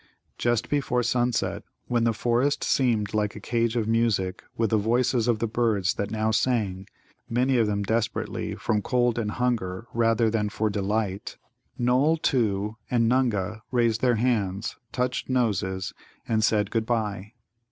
Just before sunset, when the forest seemed like a cage of music with the voices of the birds that now sang, many of them desperately from cold and hunger rather than for delight, Noll, too, and Nunga raised their hands, touched noses, and said good bye.